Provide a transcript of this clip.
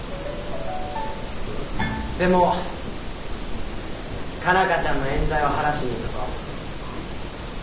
でも佳奈花ちゃんのえん罪を晴らしに行くぞ。